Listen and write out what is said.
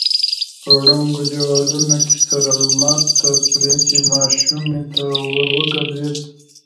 په ړنګو دېوالونو کې سره لمر ته پرتې ماشومې ته ور وګرځېد.